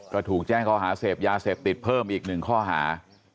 ก็ถูกแจ้งข้อหาเสพยาเสพติดเพิ่มอีก๑ข้อหา